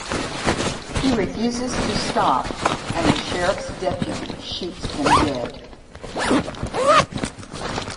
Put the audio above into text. He refuses to stop and a sheriff's deputy shoots him dead.